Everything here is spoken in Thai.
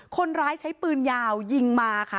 คนร้ายใช้ปืนยาวยิงมาค่ะ